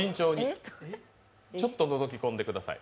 ちょっと、のぞき込んでください。